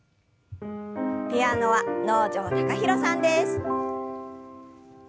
ピアノは能條貴大さんです。